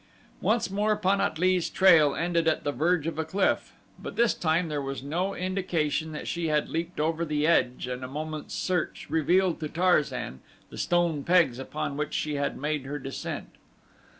Once more Pan at lee's trail ended at the verge of a cliff; but this time there was no indication that she had leaped over the edge and a moment's search revealed to Tarzan the stone pegs upon which she had made her descent.